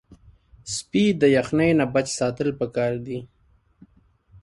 سپي د یخنۍ نه بچ ساتل پکار دي.